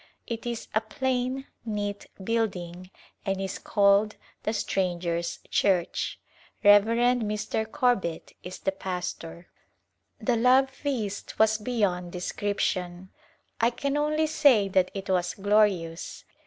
It is a plain, neat building, and is called " The Stranger's Church." Rev. Mr. Corbit is the pastor. The love feast was beyond description. I can only say that it was glorious.